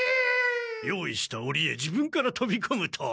用意したオリへ自分からとびこむとは。